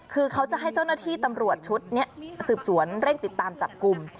คือเขาจะให้เจ้าหน้าที่ตำรวจชุดนี้สืบสวนเร่งติดตามจับกลุ่ม